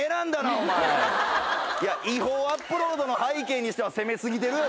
違法アップロードの背景にしては攻め過ぎてるやろ。